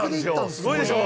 すごいでしょう。